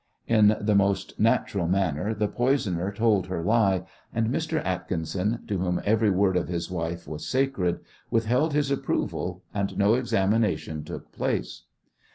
In the most natural manner the poisoner told her lie, and Mr. Atkinson, to whom every word of his wife was sacred, withheld his approval, and no examination took place.